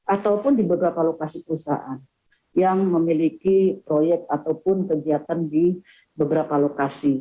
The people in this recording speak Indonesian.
ataupun di beberapa lokasi perusahaan yang memiliki proyek ataupun kegiatan di beberapa lokasi